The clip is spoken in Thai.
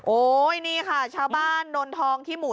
โอ้ยนี่ค่ะชาวบ้านนนทองที่หมู่๑